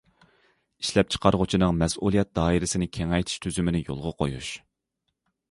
ئىشلەپچىقارغۇچىنىڭ مەسئۇلىيەت دائىرىسىنى كېڭەيتىش تۈزۈمىنى يولغا قويۇش.